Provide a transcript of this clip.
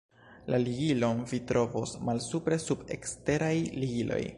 La ligilon vi trovos malsupre sub "Eksteraj ligiloj".